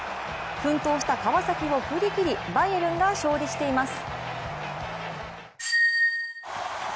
奮闘した川崎を振り切りバイエルンが勝利しています。